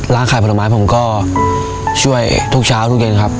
ขายผลไม้ผมก็ช่วยทุกเช้าทุกเย็นครับ